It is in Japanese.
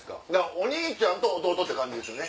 お兄ちゃんと弟って感じですよね。